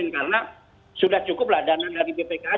karena sudah cukup lah dana dari bpkh